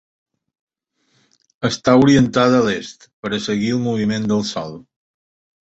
Està orientada a l'est per a seguir el moviment del sol.